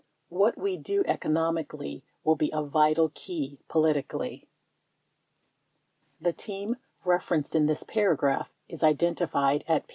What we do economically will be a vital key politically. The "team" referenced in this paragraph is identified at p.